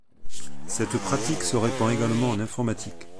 Cette pratique se répand également en informatique.